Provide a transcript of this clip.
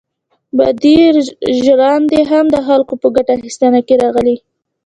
بادي ژرندې هم د خلکو په ګټه اخیستنه کې راغلې.